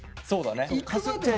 そうだね。